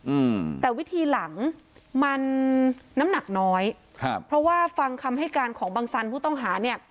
อืมแต่วิธีหลังมันน้ำหนักน้อยครับเพราะว่าฟังคำให้การของบังสันผู้ต้องหาเนี่ย